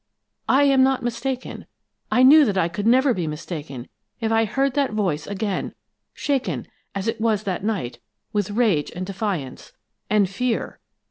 I am not mistaken I knew that I could never be mistaken if I heard that voice again, shaken, as it was that night, with rage and defiance and fear!